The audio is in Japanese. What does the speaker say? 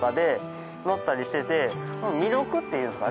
魅力っていうんですかね